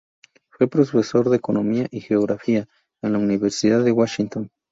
Fue profesor de Economía y Geografía en la Universidad de Washington.